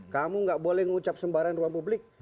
kamu tidak boleh mengucap sembarangan di ruang publik